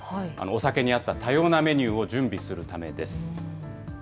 お酒に合った多様なメニューを準備するためです。